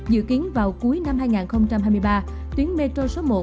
dự kiến vào cuối năm hai nghìn hai mươi ba tuyến metro số một